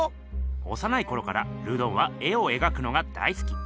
おさないころからルドンは絵を描くのが大好き。